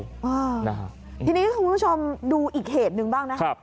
ครับทีนี้คุณผู้ชมดูอีกเหตุหนึ่งบ้างนะ